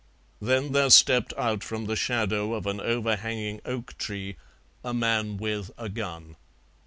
Then there stepped out from the shadow of an overhanging oak tree a man with a gun.